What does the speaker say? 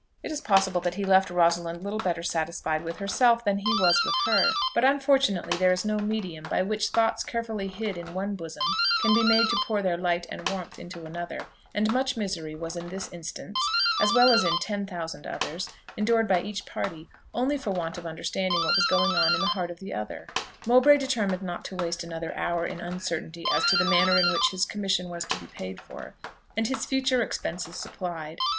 It is probable that he left Rosalind little better satisfied with herself than he was with her; but unfortunately there is no medium by which thoughts carefully hid in one bosom can be made to pour their light and warmth into another, and much misery was in this instance, as well as in ten thousand others, endured by each party, only for want of understanding what was going on in the heart of the other. Mowbray determined not to waste another hour in uncertainty as to the manner in which his commission was to be paid for, and his future expenses supplied.